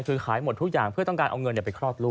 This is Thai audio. คือขายหมดทุกอย่างเพื่อต้องการเอาเงินไปคลอดลูก